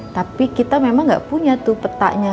tapi kita memang nggak punya tuh petanya